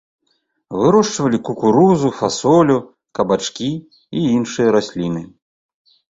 Вырошчвалі кукурузу, фасолю, кабачкі і іншыя расліны.